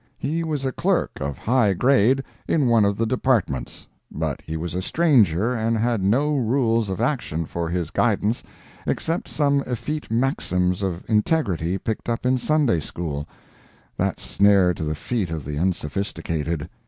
He was a clerk of high grade in one of the Departments; but he was a stranger and had no rules of action for his guidance except some effete maxims of integrity picked up in Sunday school—that snare to the feet of the unsophisticated!